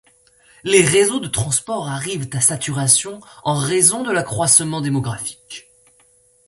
Les réseaux de transports arrivent à saturation en raison de l'accroissement démographique.